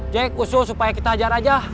cek usul supaya kita ajar aja